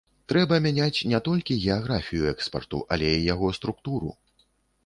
Трэба мяняць не толькі геаграфію экспарту, але і яго структуру.